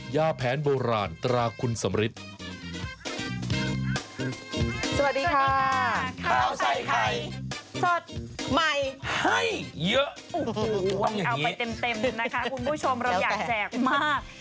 เอาไปเต็มนะคะคุณผู้ชมเราอยากแจกมาก